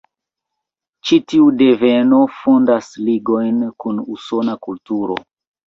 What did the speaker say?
Ĉi tiu denove fondas ligojn kun Usona kulturo.